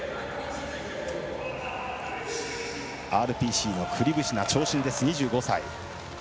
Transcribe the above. ＲＰＣのクリブシナ長身です、２５歳。